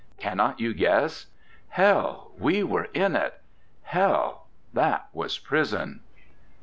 Cannot you guess? Hell, we were in it Hell, that was prison!'